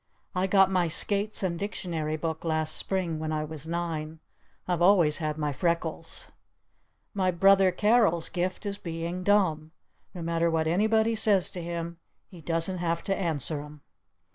I got my skates and dictionary book last Spring when I was nine. I've always had my freckles. My brother Carol's Gift is Being Dumb. No matter what anybody says to him he doesn't have to answer 'em.